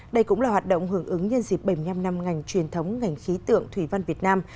đây cũng là hoạt động hưởng ứng nhân dịp bảy mươi năm năm ngành truyền thống ngành khí tượng thủy văn việt nam